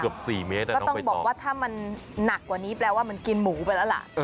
ก็ต้องบอกว่าถ้ามันหนักกว่านี้แปลว่ามันกินหมูไปแล้วล่ะ